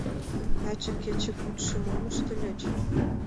— Таче кечыгутшо мом ыштыльыч?